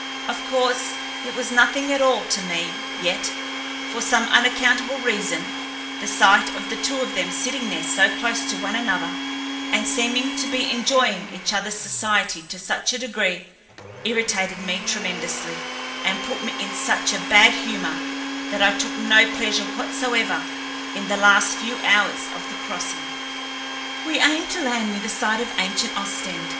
Of course, it was nothing at all to me; yet, for some unaccountable reason, the sight of the two of them sitting there so close to one another and seeming to be enjoying each otherl's society to such a degree irritated me tremendously, and put me in such a bad humor that I took no pleasure whatsoever in the last few hours of the crossing. We aimed to land near the site of ancient Ostend.